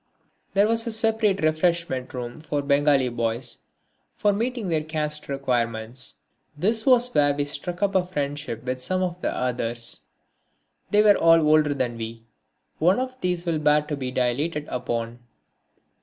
There was a separate refreshment room for Bengali boys for meeting their caste requirements. This was where we struck up a friendship with some of the others. They were all older than we. One of these will bear to be dilated upon.